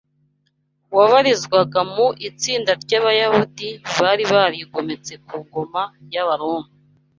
wabarizwaga mu itsinda ry’Abayahudi bari barigometse ku ngoma y’Abaroma